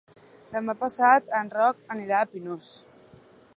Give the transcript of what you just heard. Demà passat en Roc anirà a Pinós.